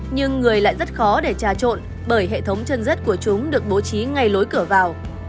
nhưng người lại rất khó để trà trộn bởi hệ thống chân dết của chúng được bố trí ngay lối cửa vào